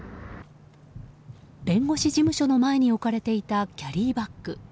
弁護士事務所の前に置かれていた、キャリーバッグ。